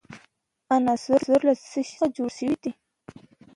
عنصر له څه شي څخه جوړ شوی دی.